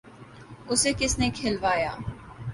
‘ اسے کس نے کھلوایا؟